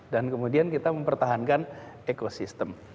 dan kemudian kita mempertahankan ekosistem